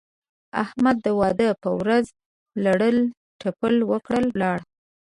احمد د واده په ورځ لړل تپل وکړل؛ ولاړ.